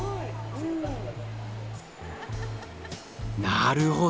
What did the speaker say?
なるほど。